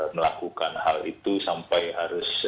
melakukan hal itu sampai harus